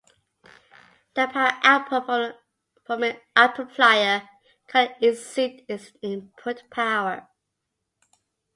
The power output from an amplifier cannot exceed its input power.